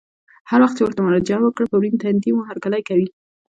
هر وخت چې ورته مراجعه وکړه په ورین تندي مو هرکلی کوي.